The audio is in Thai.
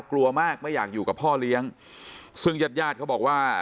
กลัวมากไม่อยากอยู่กับพ่อเลี้ยงซึ่งญาติญาติเขาบอกว่า